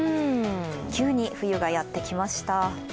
急に冬がやってきました。